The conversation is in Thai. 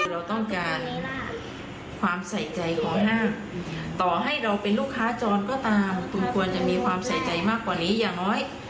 เราต้องการความใส่ใจของห้างต่อให้เราเป็นลูกค้าจรก็ตามคุณควรจะมีความใส่ใจมากกว่านี้อย่างน้อย